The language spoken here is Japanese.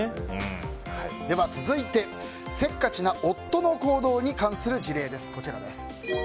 続いて、せっかちな夫の行動に関する事例です。